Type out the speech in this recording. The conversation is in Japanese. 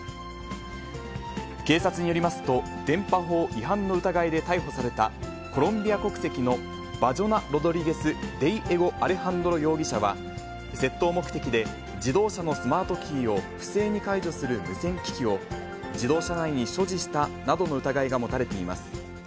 警察によりますと、電波法違反の疑いで逮捕された、コロンビア国籍の、バジョナ・ロドリゲス・デイエゴ・アレハンドロ容疑者は、窃盗目的で自動車のスマートキーを不正に解除する無線機器を、自動車内に所持したなどの疑いが持たれています。